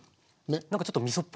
何かちょっとみそっぽい。